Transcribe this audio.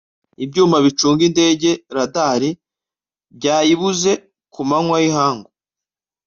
ibyuma bicunga indege (radars) byayibuze ku manywa y'ihangu